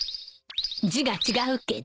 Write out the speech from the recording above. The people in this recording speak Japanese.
字が違うけど。